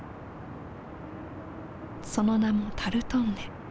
その名もタルトンネ。